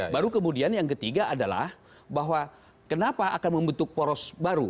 baru kemudian yang ketiga adalah bahwa kenapa akan membentuk poros baru